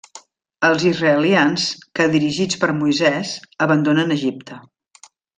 Els israelians, que dirigits per Moisès, abandonen Egipte.